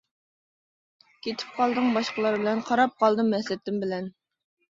كېتىپ قالدىڭ باشقىلار بىلەن، قاراپ قالدىم ھەسرىتىم بىلەن.